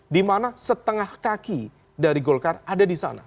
dimana setengah kaki dari golkar ada disana